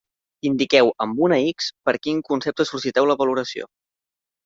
Indiqueu amb una X per quin concepte sol·liciteu la valoració.